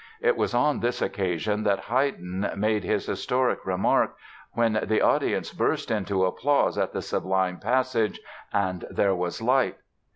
It was on this occasion that Haydn made his historic remark when the audience burst into applause at the sublime passage "And there was Light."